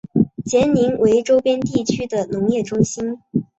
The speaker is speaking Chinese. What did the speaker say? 杰宁为周边地区的农业中心。